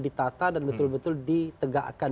ditata dan betul betul ditegakkan